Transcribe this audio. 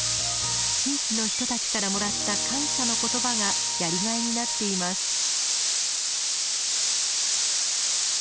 地域の人たちからもらった感謝の言葉がやりがいになっています。